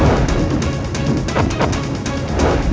aku akan menangkanmu